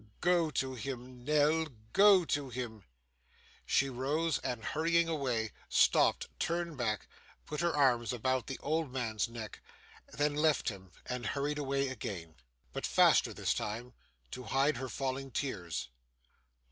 Go to him, Nell, go to him.' She rose, and hurrying away, stopped, turned back, and put her arms about the old man's neck, then left him and hurried away again but faster this time, to hide her falling tears.